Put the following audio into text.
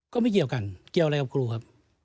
ก็ไม่เกี่ยวกันเกี่ยวอะไรกับครูครับ